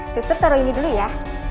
sistem taruh ini dulu ya